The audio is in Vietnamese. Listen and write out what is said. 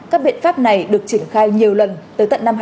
các biện pháp này được triển khai nhiều lần tới tận năm hai nghìn hai mươi